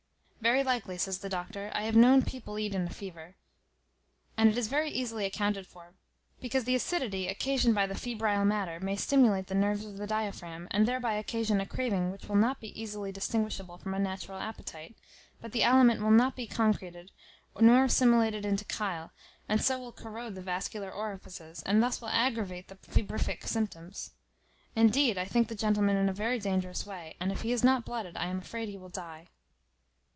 "Very likely," says the doctor: "I have known people eat in a fever; and it is very easily accounted for; because the acidity occasioned by the febrile matter may stimulate the nerves of the diaphragm, and thereby occasion a craving which will not be easily distinguishable from a natural appetite; but the aliment will not be concreted, nor assimilated into chyle, and so will corrode the vascular orifices, and thus will aggravate the febrific symptoms. Indeed, I think the gentleman in a very dangerous way, and, if he is not blooded, I am afraid will die."